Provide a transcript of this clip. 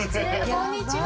こんにちは。